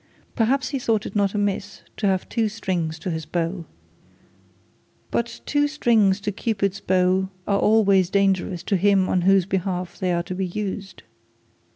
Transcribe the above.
Perhaps he thought it not amiss to have two strings to his bow. But two strings to Cupid's bow are always dangerous to him on whose behalf they are to be used.